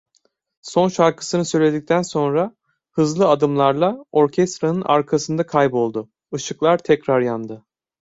Son şarkısını söyledikten sonra hızlı adımlarla orkestranın arkasında kayboldu, ışıklar tekrar yandı.